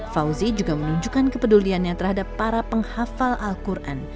fauzi juga menunjukkan kepeduliannya terhadap para penghafal al quran